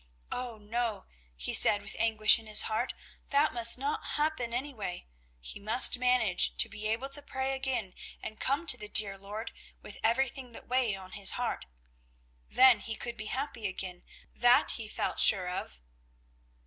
Oh, no, he said with anguish in his heart, that must not happen anyway; he must manage to be able to pray again and come to the dear Lord with everything that weighed on his heart; then he could be happy again, that he felt sure of.